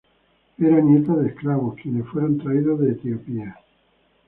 Era nieta de esclavos, quienes fueron traídos de Etiopía.